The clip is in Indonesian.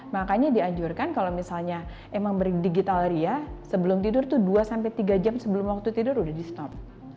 makanya diajurkan kalau misalnya emang berdigital ria sebelum tidur dua tiga jam sebelum waktu tidur sudah di stop